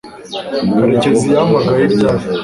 karekezi yahamagaye ryari